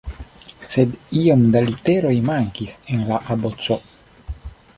Sed iom da literoj mankis en la aboco.